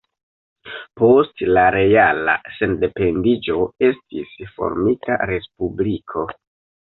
Post la reala sendependiĝo estis formita Respubliko.